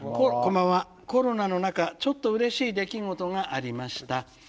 「コロナの中ちょっとうれしい出来事がありました。